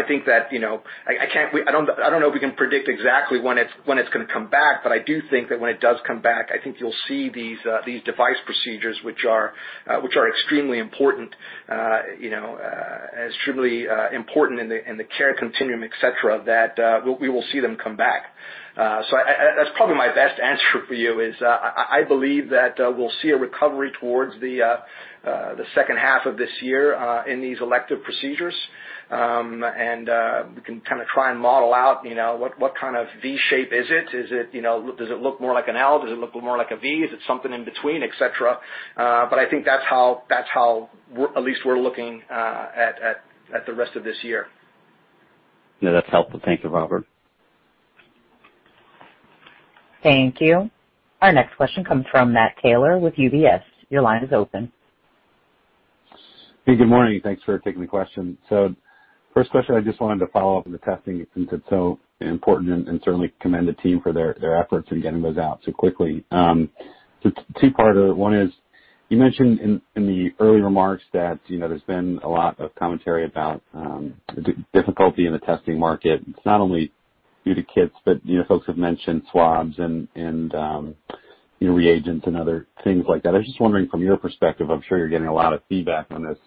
if we can predict exactly when it's going to come back, but I do think that when it does come back, I think you'll see these device procedures, which are extremely important in the care continuum, et cetera, that we will see them come back. That's probably my best answer for you, is I believe that we'll see a recovery towards the second half of this year in these elective procedures. We can kind of try and model out what kind of V shape is it? Does it look more like an L? Does it look more like a V? Is it something in between, et cetera? I think that's how at least we're looking at the rest of this year. No, that's helpful. Thank you, Robert. Thank you. Our next question comes from Matt Taylor with UBS. Your line is open. Hey, good morning. Thanks for taking the question. First question, I just wanted to follow up on the testing since it's so important, and certainly commend the team for their efforts in getting those out so quickly. It's a two-parter. One is, you mentioned in the early remarks that there's been a lot of commentary about the difficulty in the testing market. It's not only due to kits, but folks have mentioned swabs and reagents and other things like that. I was just wondering from your perspective, I'm sure you're getting a lot of feedback on this,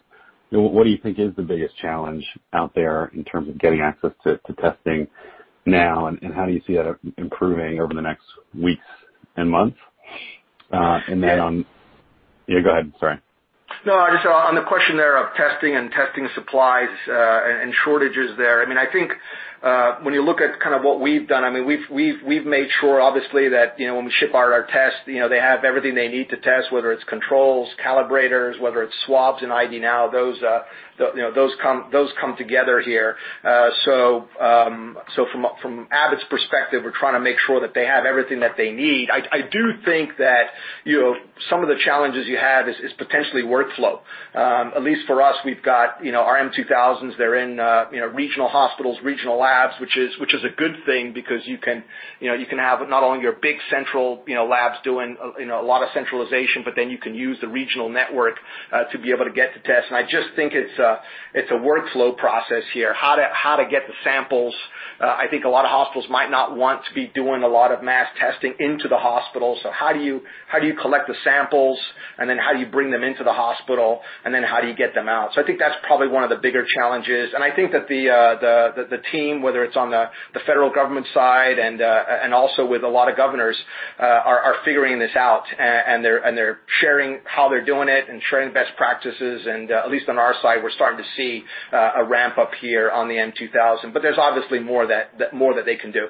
what do you think is the biggest challenge out there in terms of getting access to testing now, and how do you see that improving over the next weeks and months? Yeah, go ahead, sorry. Just on the question there of testing and testing supplies, and shortages there, I think when you look at kind of what we've done, we've made sure, obviously, that when we ship our tests they have everything they need to test, whether it's controls, calibrators, whether it's swabs in ID NOW, those come together here. From Abbott's perspective, we're trying to make sure that they have everything that they need. I do think that some of the challenges you have is potentially workflow. At least for us, we've got our m2000s, they're in regional hospitals, regional labs, which is a good thing because you can have not only your big central labs doing a lot of centralization, you can use the regional network to be able to get the test. I just think it's a workflow process here. How to get the samples. I think a lot of hospitals might not want to be doing a lot of mass testing into the hospital. How do you collect the samples, how do you bring them into the hospital, how do you get them out? I think that's probably one of the bigger challenges, and I think that the team, whether it's on the federal government side and also with a lot of governors, are figuring this out. They're sharing how they're doing it and sharing best practices and, at least on our side, we're starting to see a ramp-up here on the m2000. There's obviously more that they can do.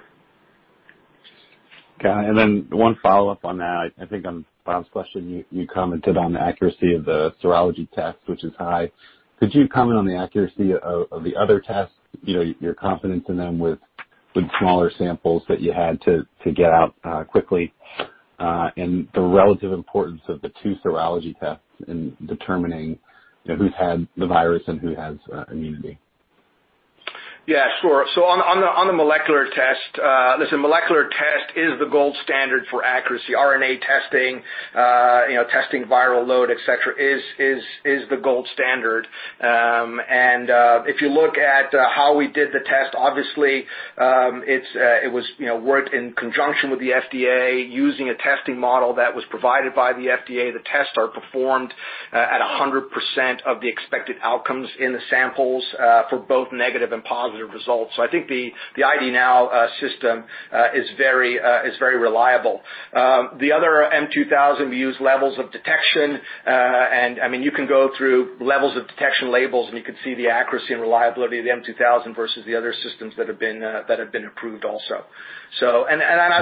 Okay. One follow-up on that. I think on Bob's question, you commented on the accuracy of the serology test, which is high. Could you comment on the accuracy of the other tests, your confidence in them with the smaller samples that you had to get out quickly, and the relative importance of the two serology tests in determining who's had the virus and who has immunity? Yeah, sure. On the molecular test, listen, molecular test is the gold standard for accuracy. RNA testing viral load, et cetera, is the gold standard. If you look at how we did the test, obviously, it was worked in conjunction with the FDA using a testing model that was provided by the FDA. The tests are performed at 100% of the expected outcomes in the samples for both negative and positive results. I think the ID NOW system is very reliable. The other m2000s use levels of detection, and you can go through levels of detection labels, and you can see the accuracy and reliability of the m2000 versus the other systems that have been approved also. As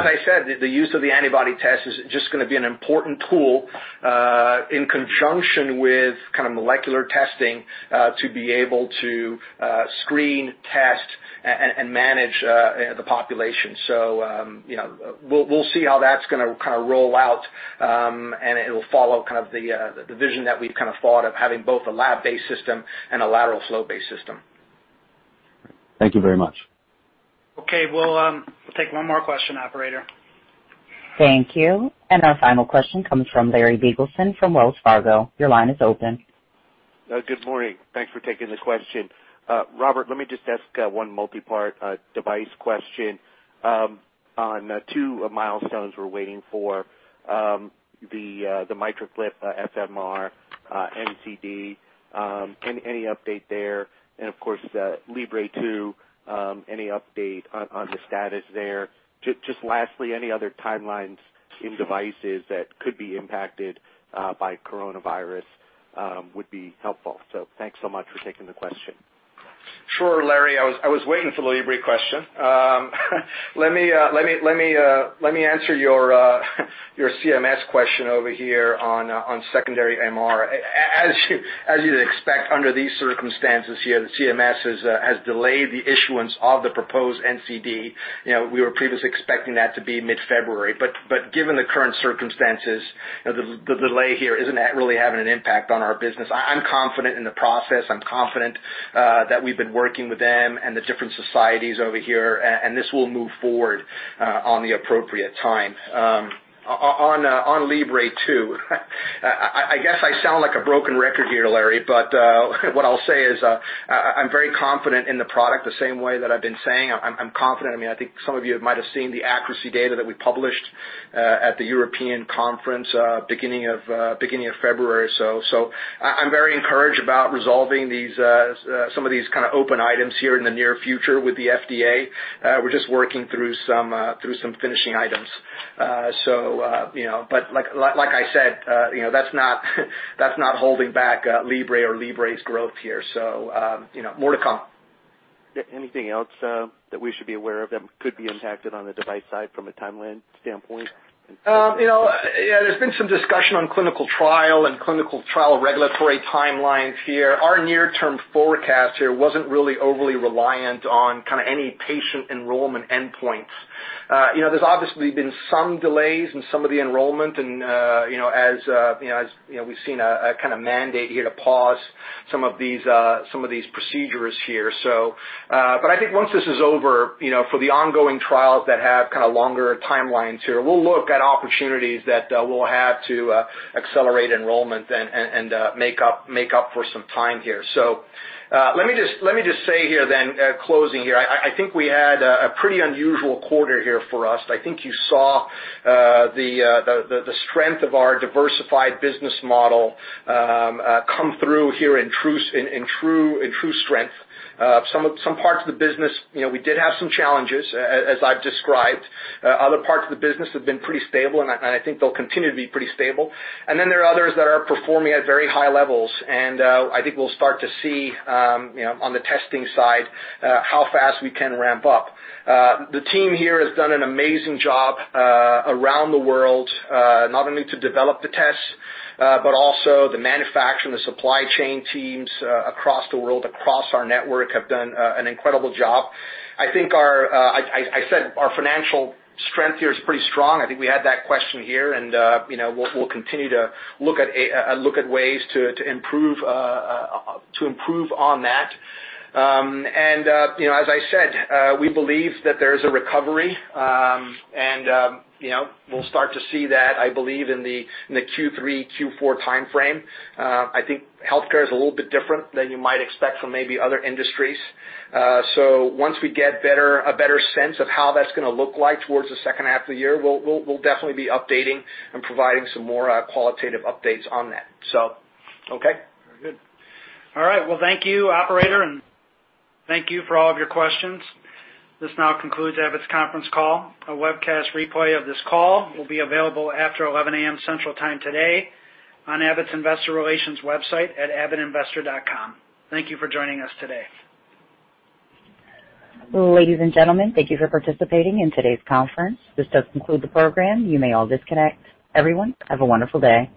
I said, the use of the antibody test is just going to be an important tool in conjunction with kind of molecular testing, to be able to screen, test, and manage the population. We'll see how that's going to kind of roll out. It'll follow kind of the vision that we've kind of thought of having both a lab-based system and a lateral flow-based system. Thank you very much. Okay. We'll take one more question, operator. Thank you. Our final question comes from Larry Biegelsen from Wells Fargo. Your line is open. Good morning. Thanks for taking the question. Robert, let me just ask one multi-part device question on two milestones we're waiting for. The MitraClip FMR NCD, any update there? Of course, Libre 2, any update on the status there? Just lastly, any other timelines in devices that could be impacted by coronavirus would be helpful. Thanks so much for taking the question. Sure, Larry. I was waiting for the Libre question. Let me answer your CMS question over here on secondary MR. As you'd expect under these circumstances here, the CMS has delayed the issuance of the proposed NCD. We were previously expecting that to be mid-February, but given the current circumstances, the delay here isn't really having an impact on our business. I'm confident in the process. I'm confident that we've been working with them and the different societies over here, and this will move forward on the appropriate time. On Libre 2, I guess I sound like a broken record here, Larry, but what I'll say is I'm very confident in the product the same way that I've been saying. I'm confident. I think some of you might have seen the accuracy data that we published at the European conference, beginning of February. I'm very encouraged about resolving some of these kind of open items here in the near future with the FDA. We're just working through some finishing items. Like I said, that's not holding back Libre or Libre's growth here. More to come. Anything else that we should be aware of that could be impacted on the device side from a timeline standpoint? There's been some discussion on clinical trial and clinical trial regulatory timelines here. Our near-term forecast here wasn't really overly reliant on kind of any patient enrollment endpoints. There's obviously been some delays in some of the enrollment and as we've seen a kind of mandate here to pause some of these procedures here. I think once this is over for the ongoing trials that have kind of longer timelines here, we'll look at opportunities that we'll have to accelerate enrollment and make up for some time here. Let me just say here, closing here, I think we had a pretty unusual quarter here for us. I think you saw the strength of our diversified business model come through here in true strength. Some parts of the business, we did have some challenges, as I've described. Other parts of the business have been pretty stable, and I think they'll continue to be pretty stable. Then there are others that are performing at very high levels. I think we'll start to see on the testing side how fast we can ramp up. The team here has done an amazing job around the world, not only to develop the tests, but also the manufacturing, the supply chain teams across the world, across our network have done an incredible job. I said our financial strength here is pretty strong. I think we had that question here, and we'll continue to look at ways to improve on that. As I said, we believe that there is a recovery, and we'll start to see that, I believe, in the Q3, Q4 timeframe. I think healthcare is a little bit different than you might expect from maybe other industries. Once we get a better sense of how that's going to look like towards the second half of the year, we'll definitely be updating and providing some more qualitative updates on that. Okay. Very good. All right. Well, thank you, operator, and thank you for all of your questions. This now concludes Abbott's conference call. A webcast replay of this call will be available after 11:00 A.M. Central Time today on Abbott's investor relations website at abbottinvestor.com. Thank you for joining us today. Ladies and gentlemen, thank you for participating in today's conference. This does conclude the program. You may all disconnect. Everyone, have a wonderful day.